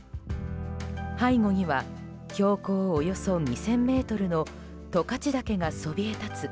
背後には標高およそ２０００ｍの十勝岳がそびえたつ